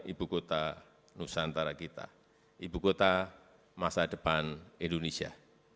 ibu kota nusantara kita ibu kota masa depan indonesia